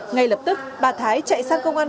ngay lập tức bà thái chạy sang công an